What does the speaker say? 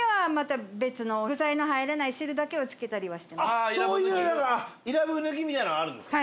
あっそういうイラブー抜きみたいなのがあるんですか？